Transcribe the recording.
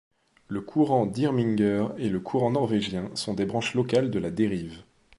Le courant d'Irminger et le courant norvégien sont des branches locales de la dérive.